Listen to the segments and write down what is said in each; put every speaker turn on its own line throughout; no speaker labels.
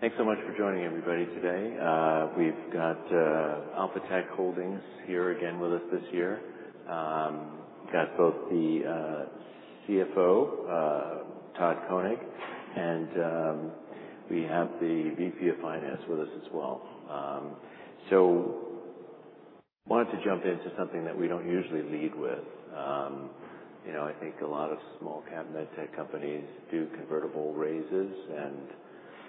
Thanks so much for joining everybody today. We've got Alphatec Holdings here again with us this year. We've got both the CFO, Todd Koning, and we have the VP of Finance with us as well. I wanted to jump into something that we don't usually lead with. You know, I think a lot of small cabinet tech companies do convertible raises, and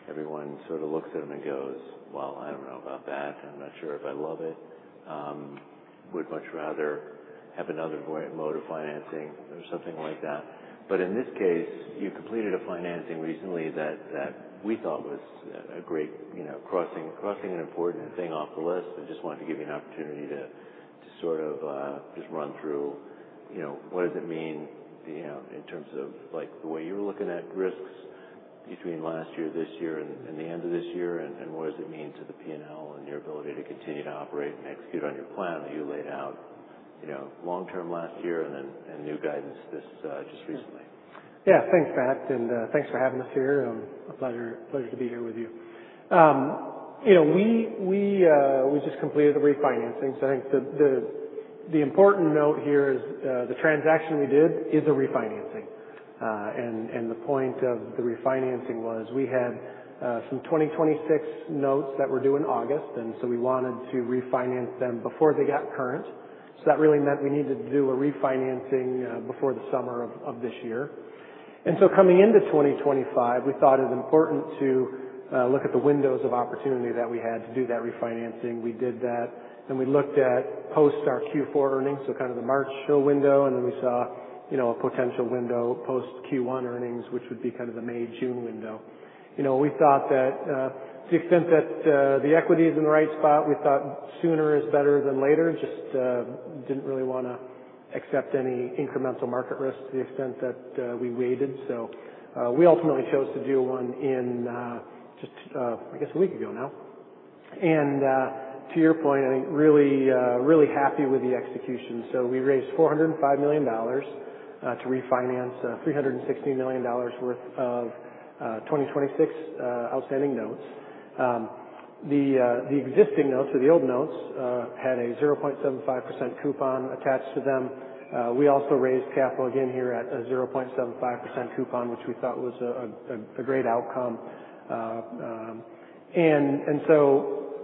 everyone sort of looks at them and goes, "Well, I don't know about that. I'm not sure if I love it." Would much rather have another vo mode of financing or something like that. In this case, you completed a financing recently that we thought was a great, you know, crossing, crossing an important thing off the list. I just wanted to give you an opportunity to sort of just run through, you know, what does it mean, you know, in terms of, like, the way you were looking at risks between last year, this year, and the end of this year, and what does it mean to the P&L and your ability to continue to operate and execute on your plan that you laid out, you know, long-term last year and then, and new guidance this, just recently.
Yeah. Thanks, Matt. Thanks for having us here. A pleasure, pleasure to be here with you. You know, we just completed the refinancing. I think the important note here is, the transaction we did is a refinancing. The point of the refinancing was we had some 2026 notes that were due in August, and we wanted to refinance them before they got current. That really meant we needed to do a refinancing before the summer of this year. Coming into 2025, we thought it was important to look at the windows of opportunity that we had to do that refinancing. We did that, and we looked at post our Q4 earnings, so kind of the March show window, and then we saw, you know, a potential window post Q1 earnings, which would be kind of the May, June window. You know, we thought that, to the extent that, the equity is in the right spot, we thought sooner is better than later. Just didn't really wanna accept any incremental market risk to the extent that, we waited. We ultimately chose to do one in, just, I guess a week ago now. To your point, I think really, really happy with the execution. We raised $405 million, to refinance $316 million worth of 2026 outstanding notes. The existing notes, or the old notes, had a 0.75% coupon attached to them. We also raised capital again here at a 0.75% coupon, which we thought was a great outcome.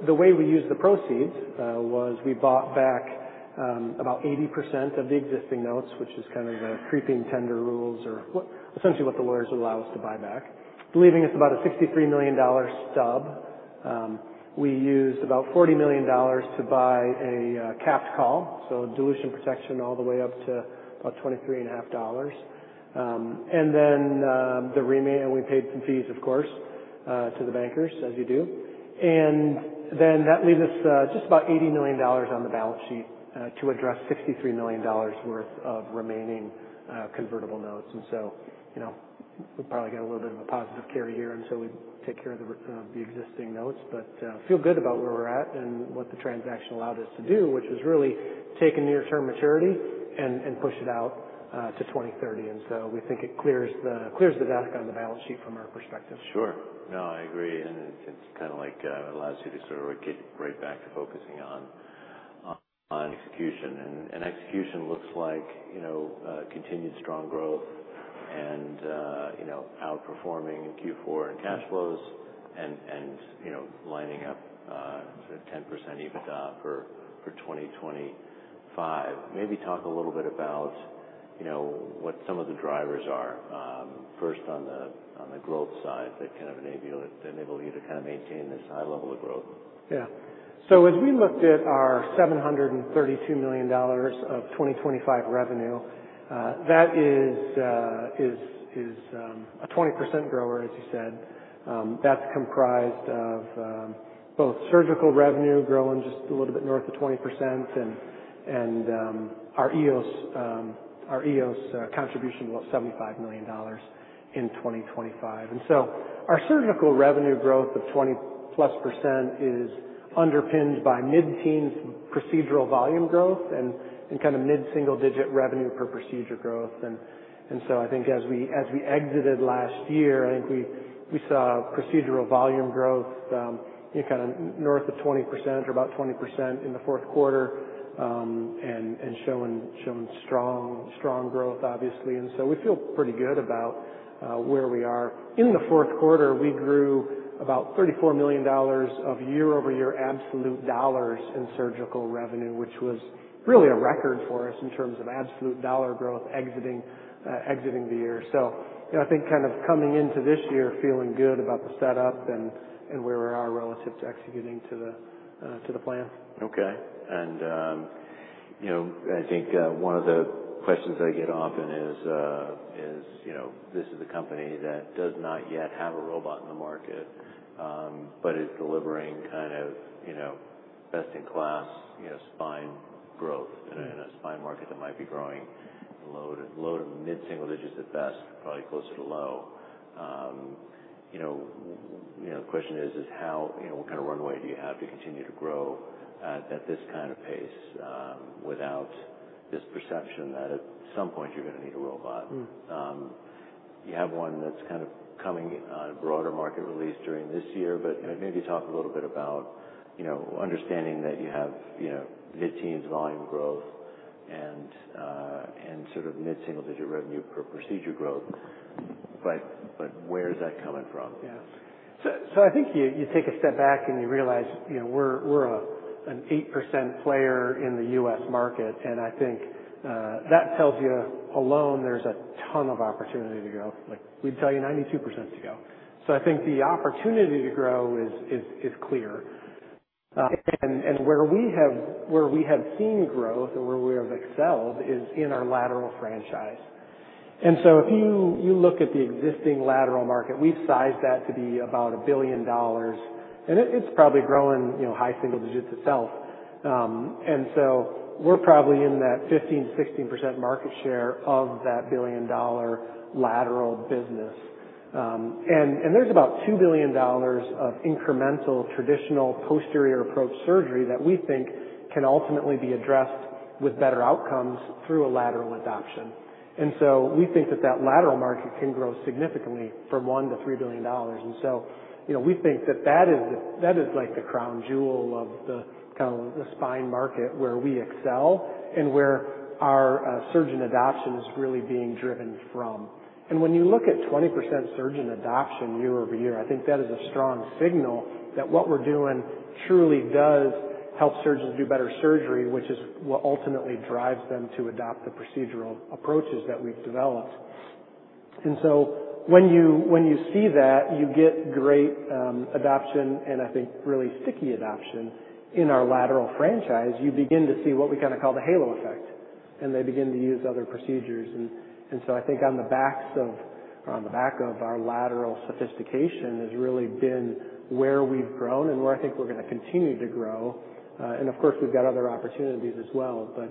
The way we used the proceeds was we bought back about 80% of the existing notes, which is kind of the creeping tender rules or essentially what the lawyers would allow us to buy back, leaving us about a $63 million stub. We used about $40 million to buy a capped call, so dilution protection all the way up to about $23.5. We paid some fees, of course, to the bankers, as you do. That leaves us just about $80 million on the balance sheet to address $63 million worth of remaining convertible notes. You know, we probably got a little bit of a positive carry here, and we take care of the existing notes, but feel good about where we're at and what the transaction allowed us to do, which was really take a near-term maturity and push it out to 2030. We think it clears the desk on the balance sheet from our perspective.
Sure. No, I agree. It is kind of like, it allows you to sort of get right back to focusing on execution. Execution looks like, you know, continued strong growth and, you know, outperforming in Q4 and cash flows and, you know, lining up, sort of 10% EBITDA for 2025. Maybe talk a little bit about, you know, what some of the drivers are, first on the growth side that kind of enable you to kind of maintain this high level of growth.
Yeah. As we looked at our $732 million of 2025 revenue, that is a 20% grower, as you said. That is comprised of both surgical revenue growing just a little bit north of 20% and our EOS, our EOS contribution of about $75 million in 2025. Our surgical revenue growth of 20%+ is underpinned by mid-teens procedural volume growth and kind of mid-single-digit revenue per procedure growth. I think as we exited last year, I think we saw procedural volume growth, you know, kind of north of 20% or about 20% in the fourth quarter, showing strong growth, obviously. We feel pretty good about where we are. In the fourth quarter, we grew about $34 million of year-over-year absolute dollars in surgical revenue, which was really a record for us in terms of absolute dollar growth exiting the year. You know, I think kind of coming into this year, feeling good about the setup and where we are relative to executing to the plan.
Okay. I think one of the questions I get often is, you know, this is a company that does not yet have a robot in the market, but is delivering kind of, you know, best-in-class, you know, spine growth in a spine market that might be growing low to low to mid-single digits at best, probably closer to low. You know, the question is how, you know, what kind of runway do you have to continue to grow at this kind of pace, without this perception that at some point you're gonna need a robot?
Mm-hmm.
You have one that's kind of coming on a broader market release during this year, but, you know, maybe talk a little bit about, you know, understanding that you have, you know, mid-teens volume growth and sort of mid-single-digit revenue per procedure growth. Where's that coming from?
Yeah. I think you take a step back and you realize, you know, we're an 8% player in the U.S. market, and I think that tells you alone there's a ton of opportunity to grow. Like, we'd tell you 92% to go. I think the opportunity to grow is clear. Where we have seen growth and where we have excelled is in our lateral franchise. If you look at the existing lateral market, we've sized that to be about $1 billion, and it's probably growing, you know, high single digits itself. We're probably in that 15%-16% market share of that billion-dollar lateral business. There is about $2 billion of incremental traditional posterior approach surgery that we think can ultimately be addressed with better outcomes through a lateral adoption. We think that lateral market can grow significantly from $1 billion to $3 billion. You know, we think that is like the crown jewel of the spine market where we excel and where our surgeon adoption is really being driven from. When you look at 20% surgeon adoption year over year, I think that is a strong signal that what we are doing truly does help surgeons do better surgery, which is what ultimately drives them to adopt the procedural approaches that we have developed. When you see that, you get great adoption and I think really sticky adoption in our lateral franchise, you begin to see what we kind of call the halo effect, and they begin to use other procedures. I think on the backs of, or on the back of our lateral sophistication has really been where we've grown and where I think we're gonna continue to grow. Of course, we've got other opportunities as well, but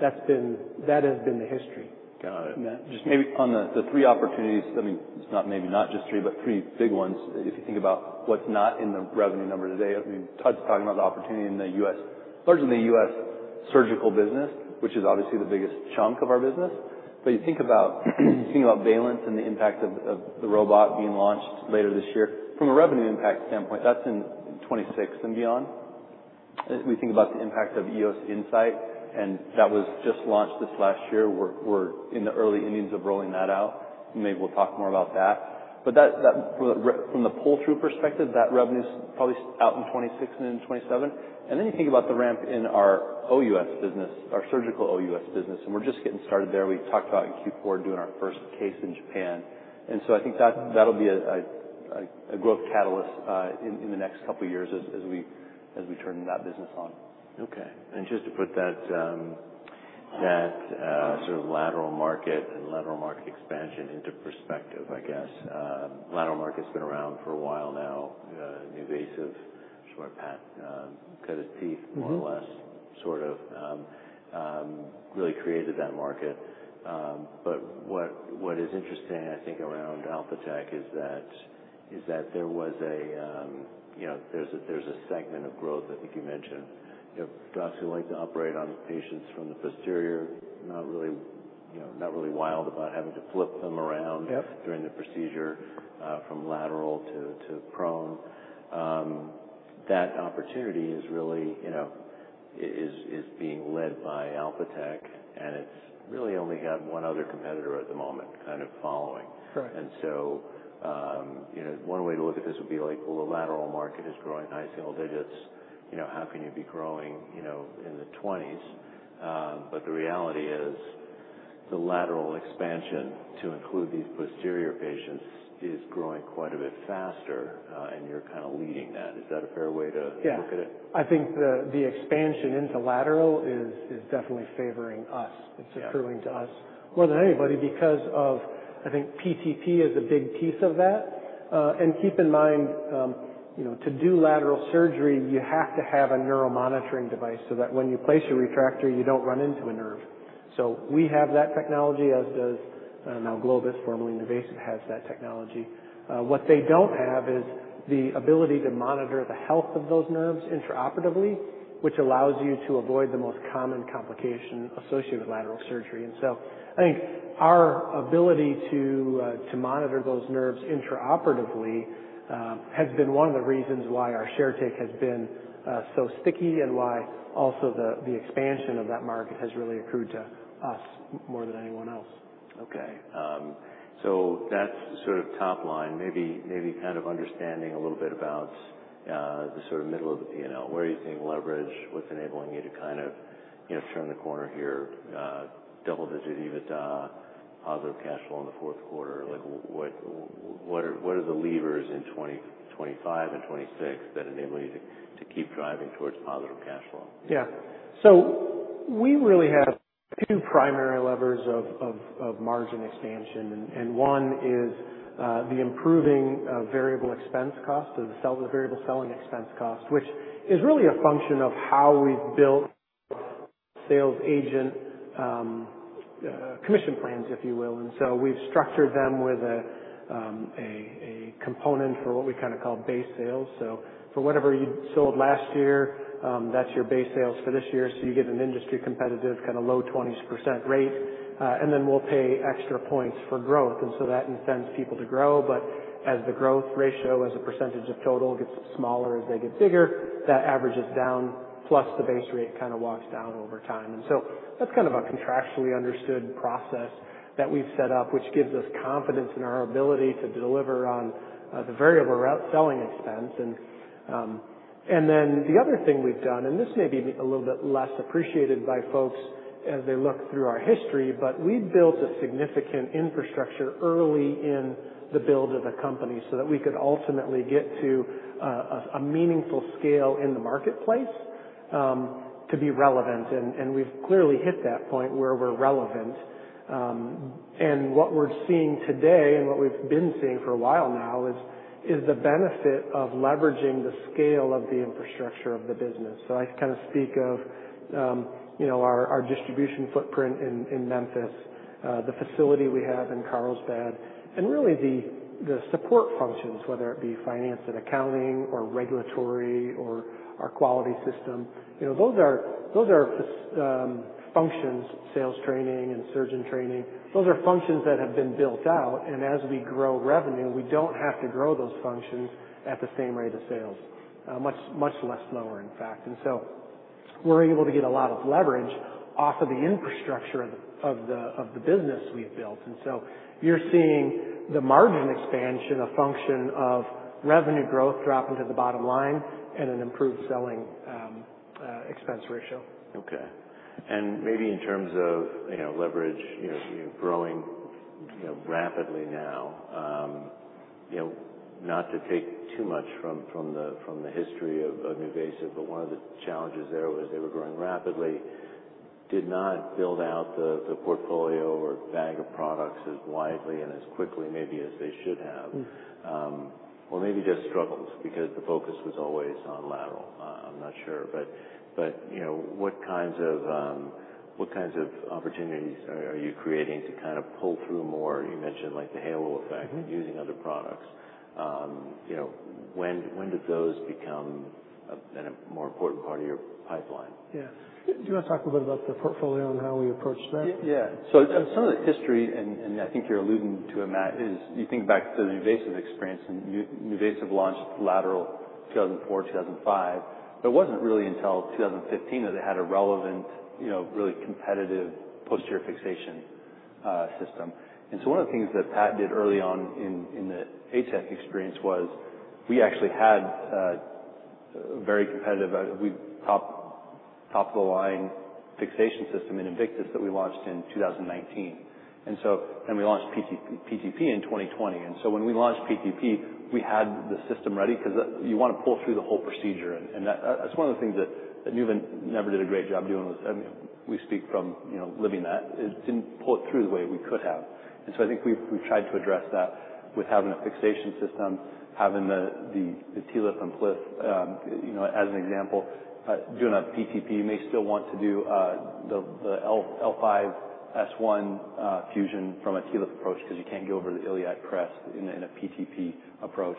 that's been, that has been the history.
Got it. Just maybe on the, the three opportunities, I mean, it's not maybe not just three, but three big ones. If you think about what's not in the revenue number today, I mean, Todd's talking about the opportunity in the U.S., largely in the U.S. surgical business, which is obviously the biggest chunk of our business. But you think about, you think about Valence and the impact of, of the robot being launched later this year from a revenue impact standpoint, that's in, in 2026 and beyond. We think about the impact of EOS Insight, and that was just launched this last year. We're, we're in the early innings of rolling that out. Maybe we'll talk more about that. But that, that from the, from the pull-through perspective, that revenue's probably out in 2026 and in 2027. You think about the ramp in our OUS business, our surgical OUS business, and we're just getting started there. We talked about in Q4 doing our first case in Japan. I think that will be a growth catalyst in the next couple of years as we turn that business on. Okay. Just to put that sort of lateral market and lateral market expansion into perspective, I guess, lateral market's been around for a while now. NuVasive, sure, Pat cut his teeth more or less, sort of, really created that market. What is interesting, I think, around Alphatec is that there was a, you know, there's a segment of growth, I think you mentioned, you know, docs who like to operate on patients from the posterior, not really, you know, not really wild about having to flip them around.
Yep.
During the procedure, from lateral to, to prone, that opportunity is really, you know, is being led by Alphatec, and it's really only got one other competitor at the moment kind of following.
Right.
You know, one way to look at this would be like, well, the lateral market is growing high single digits. You know, how can you be growing, you know, in the 20s? The reality is the lateral expansion to include these posterior patients is growing quite a bit faster, and you're kind of leading that. Is that a fair way to.
Yeah.
Look at it?
I think the expansion into lateral is definitely favoring us. It's accruing.
Yeah.
To us more than anybody because of, I think, PTP is a big piece of that. And keep in mind, you know, to do lateral surgery, you have to have a neuromonitoring device so that when you place your retractor, you do not run into a nerve. So we have that technology, as does, now Globus, formerly NuVasive, has that technology. What they do not have is the ability to monitor the health of those nerves intraoperatively, which allows you to avoid the most common complication associated with lateral surgery. I think our ability to monitor those nerves intraoperatively has been one of the reasons why our share take has been so sticky and why also the expansion of that market has really accrued to us more than anyone else.
Okay. That's sort of top line. Maybe, maybe kind of understanding a little bit about the sort of middle of the P&L. Where are you seeing leverage? What's enabling you to kind of, you know, turn the corner here, double-digit EBITDA, positive cash flow in the fourth quarter? Like, what are the levers in 2025 and 2026 that enable you to keep driving towards positive cash flow?
Yeah. We really have two primary levers of margin expansion. One is the improving variable expense cost of the sale, the variable selling expense cost, which is really a function of how we've built sales agent commission plans, if you will. We've structured them with a component for what we kind of call base sales. For whatever you sold last year, that's your base sales for this year. You get an industry competitive kind of low 20% rate, and then we'll pay extra points for growth. That incents people to grow. As the growth ratio, as a percentage of total, gets smaller as they get bigger, that averages down, plus the base rate kind of walks down over time. That is kind of a contractually understood process that we have set up, which gives us confidence in our ability to deliver on the variable rate selling expense. Then the other thing we have done, and this may be a little bit less appreciated by folks as they look through our history, but we have built a significant infrastructure early in the build of the company so that we could ultimately get to a meaningful scale in the marketplace, to be relevant. We have clearly hit that point where we are relevant. What we are seeing today and what we have been seeing for a while now is the benefit of leveraging the scale of the infrastructure of the business. I kind of speak of, you know, our distribution footprint in Memphis, the facility we have in Carlsbad, and really the support functions, whether it be finance and accounting or regulatory or our quality system, you know, those are functions, sales training and surgeon training. Those are functions that have been built out. As we grow revenue, we do not have to grow those functions at the same rate of sales, much, much less lower, in fact. We are able to get a lot of leverage off of the infrastructure of the business we have built. You are seeing the margin expansion, a function of revenue growth dropping to the bottom line and an improved selling, expense ratio.
Okay. Maybe in terms of, you know, leverage, you know, growing, you know, rapidly now, you know, not to take too much from the history of NuVasive, but one of the challenges there was they were growing rapidly, did not build out the portfolio or bag of products as widely and as quickly maybe as they should have.
Mm-hmm.
or maybe just struggles because the focus was always on lateral. I'm not sure, but, you know, what kinds of, what kinds of opportunities are you creating to kind of pull through more? You mentioned like the halo effect.
Mm-hmm.
You know, when did those become a more important part of your pipeline?
Yeah. Do you wanna talk a little bit about the portfolio and how we approach that? Yeah. Some of the history, and I think you're alluding to it, Matt, is you think back to the NuVasive experience and NuVasive launched lateral 2004, 2005, but it wasn't really until 2015 that they had a relevant, you know, really competitive posterior fixation system. One of the things that Pat did early on in the ATEC experience was we actually had a very competitive, top-of-the-line fixation system in Invictus that we launched in 2019. We launched PTP in 2020. When we launched PTP, we had the system ready 'cause you want to pull through the whole procedure. That's one of the things that NuVasive never did a great job doing was, I mean, we speak from, you know, living that, it didn't pull it through the way we could have. I think we've tried to address that with having a fixation system, having the TLIF and PLIF, you know, as an example, doing a PTP may still want to do the L5-S1 fusion from a TLIF approach 'cause you can't go over the iliac crest in a PTP approach.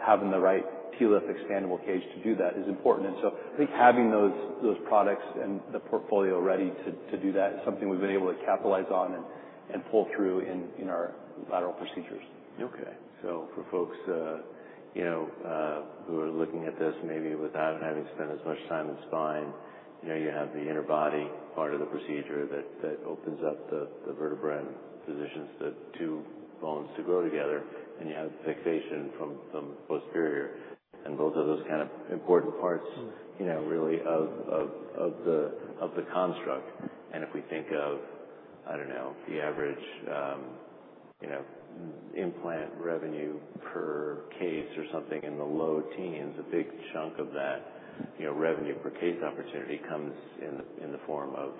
Having the right TLIF expandable cage to do that is important. I think having those products and the portfolio ready to do that is something we've been able to capitalize on and pull through in our lateral procedures.
Okay. For folks, you know, who are looking at this maybe without having spent as much time, it's fine. You know, you have the inner body part of the procedure that opens up the vertebra and positions the two bones to grow together, and you have fixation from posterior. And those are those kind of important parts. Mm-hmm. You know, really of the construct. And if we think of, I don't know, the average, you know, implant revenue per case or something in the low teens, a big chunk of that, you know, revenue per case opportunity comes in the form of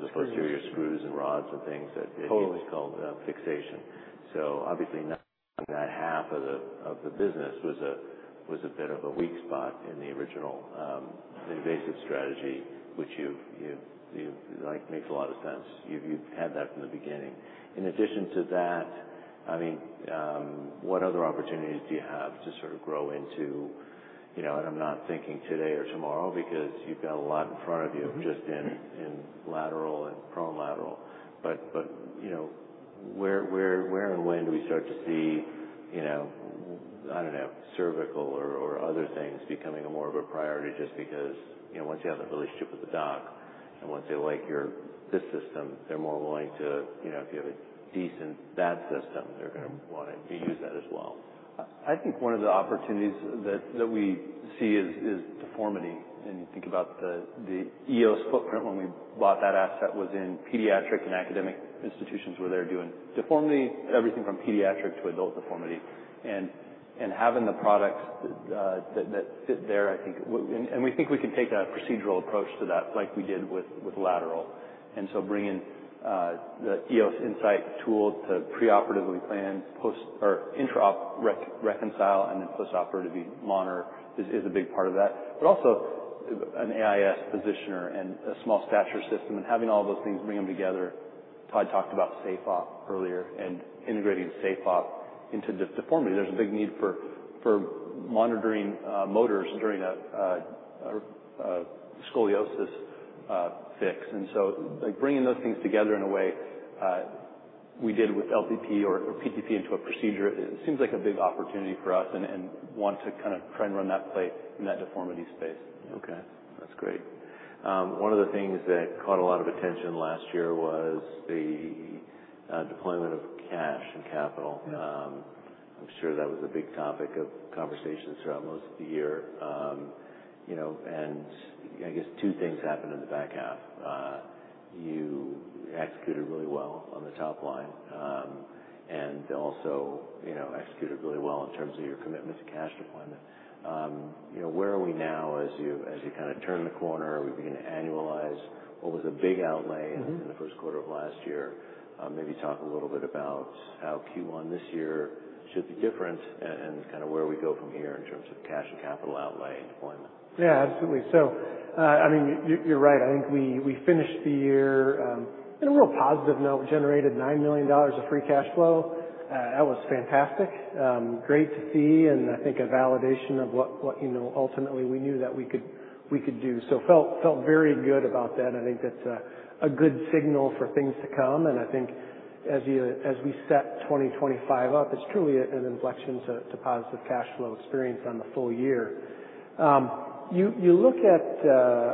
the posterior screws and rods and things that it. Totally. Is called, fixation. Obviously not that half of the, of the business was a, was a bit of a weak spot in the original, the invasive strategy, which you've, you've, you've like, makes a lot of sense. You've, you've had that from the beginning. In addition to that, I mean, what other opportunities do you have to sort of grow into, you know, and I'm not thinking today or tomorrow because you've got a lot in front of you. Mm-hmm. Just in, in lateral and prone lateral. You know, where and when do we start to see, you know, I don't know, cervical or other things becoming more of a priority just because, you know, once you have that relationship with the doc and once they like your, this system, they're more willing to, you know, if you have a decent that system, they're gonna want to use that as well. I think one of the opportunities that we see is deformity. You think about the EOS footprint when we bought that asset was in pediatric and academic institutions where they're doing deformity, everything from pediatric to adult deformity. Having the products that fit there, I think what we think we can take a procedural approach to that like we did with lateral. Bringing the EOS Insight tool to preoperatively plan, post or intraop reconcile, and then postoperatively monitor is a big part of that. Also, an AIS positioner and a small stature system and having all those things bring them together. Todd talked about SafeOp earlier and integrating SafeOp into deformity. There's a big need for monitoring motors during a scoliosis fix. Like, bringing those things together in a way, we did with PTP into a procedure, it seems like a big opportunity for us and want to kind of try and run that play in that deformity space. Okay. That's great. One of the things that caught a lot of attention last year was the deployment of cash and capital.
Yeah.
I'm sure that was a big topic of conversations throughout most of the year. You know, and I guess two things happened in the back half. You executed really well on the top line, and also, you know, executed really well in terms of your commitment to cash deployment. You know, where are we now as you, as you kind of turn the corner? Are we beginning to annualize? What was the big outlay in the.
Mm-hmm.
In the first quarter of last year, maybe talk a little bit about how Q1 this year should be different and kind of where we go from here in terms of cash and capital outlay and deployment.
Yeah, absolutely. I mean, you, you're right. I think we finished the year in a real positive note, generated $9 million of free cash flow. That was fantastic. Great to see. I think a validation of what, what, you know, ultimately we knew that we could, we could do. Felt very good about that. I think that's a good signal for things to come. I think as you, as we set 2025 up, it's truly an inflection to positive cash flow experience on the full year. You look at,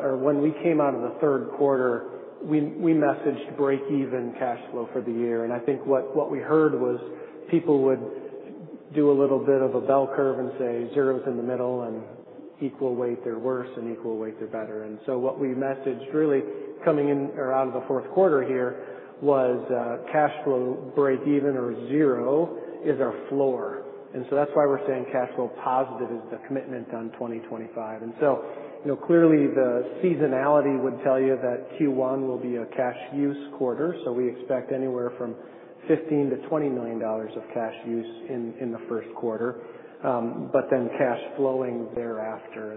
or when we came out of the third quarter, we messaged break-even cash flow for the year. I think what we heard was people would do a little bit of a bell curve and say zero's in the middle and equal weight, they're worse and equal weight, they're better. What we messaged really coming in or out of the fourth quarter here was, cash flow break-even or zero is our floor. That is why we're saying cash flow positive is the commitment on 2025. You know, clearly the seasonality would tell you that Q1 will be a cash use quarter. We expect anywhere from $15 million-$20 million of cash use in the first quarter, but then cash flowing thereafter.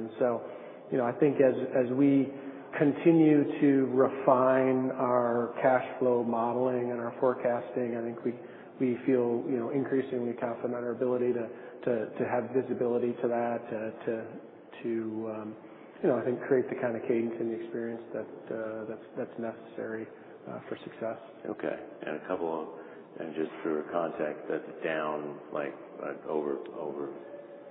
You know, I think as we continue to refine our cash flow modeling and our forecasting, I think we feel, you know, increasingly confident in our ability to have visibility to that, to create the kind of cadence and the experience that's necessary for success.
Okay. A couple of, and just for context, that's down like, over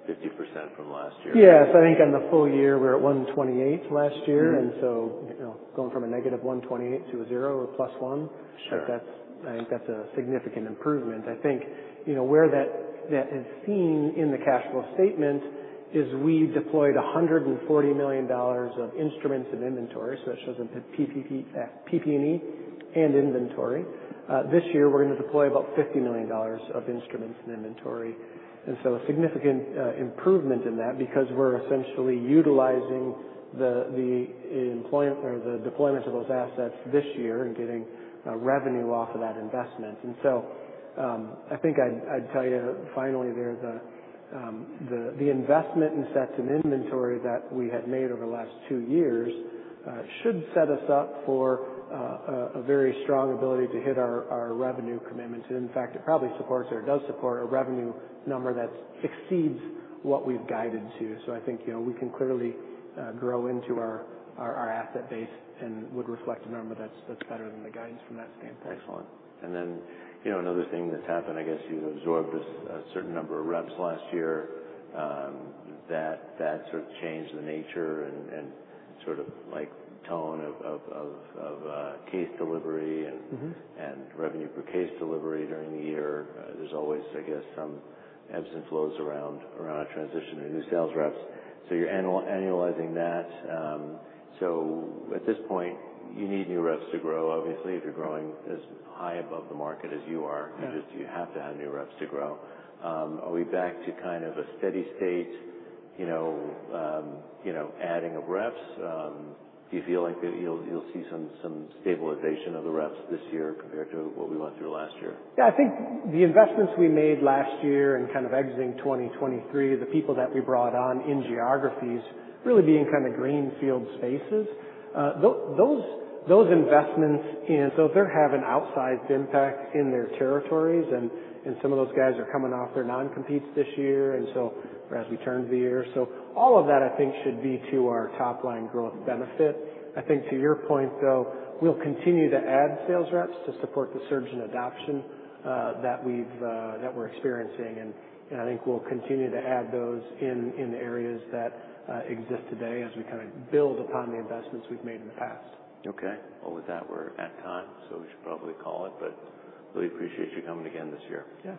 50% from last year.
Yes. I think in the full year we're at 128 last year. And so, you know, going from a -128 to a zero or plus one.
Sure.
I think that's, I think that's a significant improvement. I think, you know, where that is seen in the cash flow statement is we deployed $140 million of instruments and inventory. That shows in the PP&E and inventory. This year we're gonna deploy about $50 million of instruments and inventory. A significant improvement in that because we're essentially utilizing the deployment of those assets this year and getting revenue off of that investment. I think I'd tell you finally there, the investment in sets and inventory that we had made over the last two years should set us up for a very strong ability to hit our revenue commitment. In fact, it probably supports or does support a revenue number that exceeds what we've guided to. I think, you know, we can clearly grow into our, our asset base and would reflect a number that's, that's better than the guidance from that standpoint.
Excellent. You know, another thing that's happened, I guess you've absorbed a certain number of reps last year, that sort of changed the nature and sort of like tone of case delivery. Mm-hmm. Revenue per case delivery during the year. There is always, I guess, some ebbs and flows around our transition to new sales reps. You are annualizing that. At this point, you need new reps to grow. Obviously, if you are growing as high above the market as you are.
Mm-hmm.
You just, you have to have new reps to grow. Are we back to kind of a steady state, you know, you know, adding of reps? Do you feel like that you'll, you'll see some, some stabilization of the reps this year compared to what we went through last year?
Yeah. I think the investments we made last year and kind of exiting 2023, the people that we brought on in geographies really being kind of greenfield spaces, those investments in. They are having outsized impact in their territories. Some of those guys are coming off their non-competes this year, or as we turned the year. All of that, I think, should be to our top line growth benefit. I think to your point though, we'll continue to add sales reps to support the surge in adoption that we're experiencing. I think we'll continue to add those in the areas that exist today as we kind of build upon the investments we've made in the past.
Okay. With that, we're at time. We should probably call it, but really appreciate you coming again this year.